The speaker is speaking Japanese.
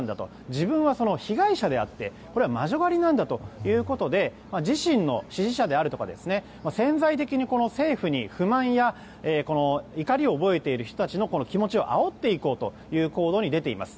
自分は、その被害者であってこれは魔女狩りなんだということで自身の支持者であるとか潜在的に政府に不満や怒りを覚えている人たちの気持ちをあおっていこうという行動に出ています。